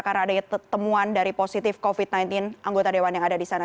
karena ada ketemuan dari positif covid sembilan belas anggota dewan yang ada di sana